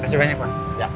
makasih banyak pak